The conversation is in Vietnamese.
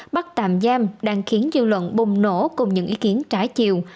bắt tạm giam đang khiến dư luận bùng nổ cùng những ý kiến trái chiều